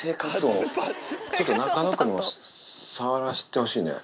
ちょっと中野君にも触らせてほしいのよ。